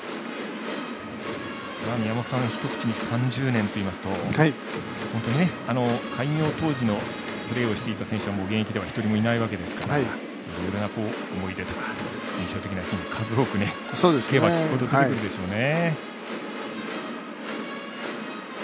一口に３０年と言いますと本当に開業当時のプレーをしていた選手は現役では一人もいないわけですからいろいろな思い出とか印象的なシーン数多く、聞けば聞くほど出てくるでしょうね。